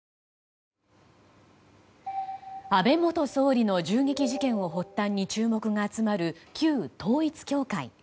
安倍元総理の銃撃事件を発端に注目が集まる旧統一教会。